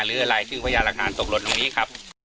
หรืออะไรซึ่งพยาบาลลักษณะตกหล่นตรงนี้ครับ